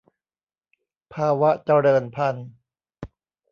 ภาวะเจริญพันธุ์